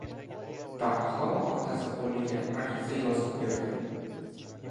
Daho otasi qo‘liga ariza yozib berdi.